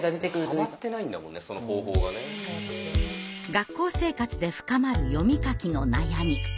学校生活で深まる読み書きの悩み。